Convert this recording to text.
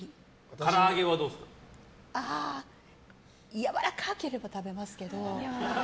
やわらかければ食べますけど。